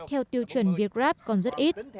theo tiêu chuẩn việt gáp còn rất ít